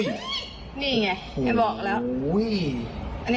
นี่ไงอย่าบอกแล้ว